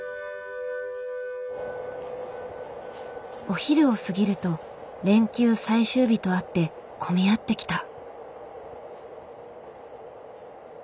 お昼を過ぎると連休最終日とあって混み合ってきた。